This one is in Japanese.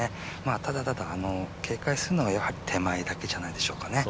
ただ、ただ警戒するのは手前だけじゃないでしょうかね。